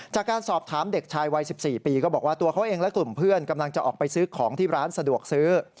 จากการสอบถามเด็กชายวัย๑๔ปีก็บอกว่าตัวเขาเองและกลุ่มเพื่อนกำลังจะออกไปซื้อของที่ร้านสะดวกซื้อ